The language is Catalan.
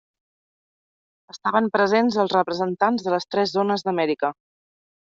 Estaven presents els representants de les tres zones d'Amèrica.